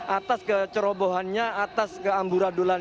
atas kecerobohannya atas keamburadulannya